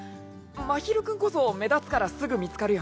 真昼君こそ目立つからすぐ見つかるよ。